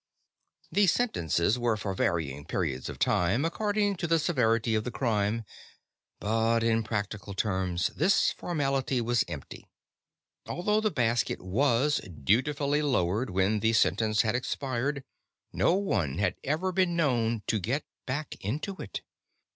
The sentences were for varying periods of time, according to the severity of the crime, but in practical terms this formality was empty. Although the basket was dutifully lowered when the sentence had expired, no one had ever been known to get back into it.